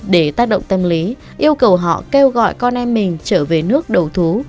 để tác động tâm lý yêu cầu họ kêu gọi con em mình trở về nước đầu thú